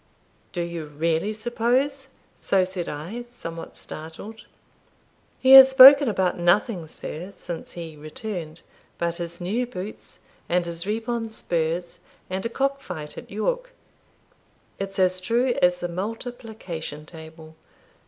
"Do you really suppose?" so said I, somewhat startled. "He has spoken about nothing, sir, since he returned, but his new boots, and his Ripon spurs, and a cockfight at York it's as true as the multiplication table.